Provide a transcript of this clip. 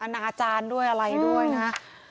นานาจารย์ด้วยอะไรด้วยนะ